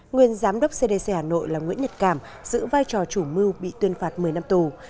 nguyên giám đốc cdc hà nội là nguyễn nhật cảm giữ vai trò chủ mưu bị tuyên phạt một mươi năm tù